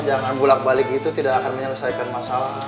jangan bolak balik itu tidak akan menyelesaikan masalah